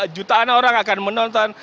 jutaan orang akan menonton